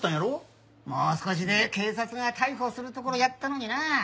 もう少しで警察が逮捕するところやったのになあ